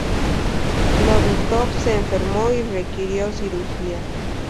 Novikov se enfermó y requirió cirugía.